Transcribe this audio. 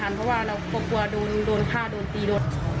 เพราะว่าเราก็กลัวโดนฆ่าโดนตีรถ